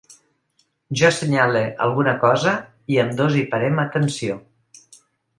Jo assenyale alguna cosa i ambdós hi parem atenció.